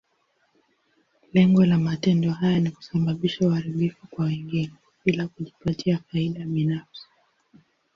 Lengo la matendo haya ni kusababisha uharibifu kwa wengine, bila kujipatia faida binafsi.